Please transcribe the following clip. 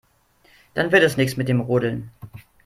Dann wird es nichts mit dem Rodeln.